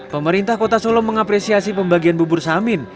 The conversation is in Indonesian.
pemerintah kota solo mengapresiasi pembagian bubur samin